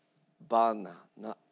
バナナ。